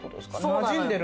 なじんでるんだ？